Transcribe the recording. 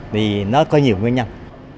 vì nó có nhiều nguyên nhân